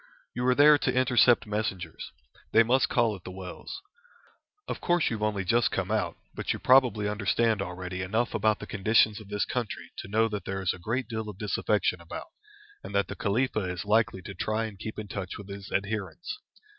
You are there to intercept messengers. They must call at the wells. Of course you have only just come out, but you probably understand already enough about the conditions of this country to know that there is a great deal of disaffection about, and that the Khalifa is likely to try and keep in touch with his adherents.